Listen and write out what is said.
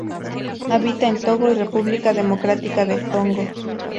Habita en Togo y República Democrática del Congo.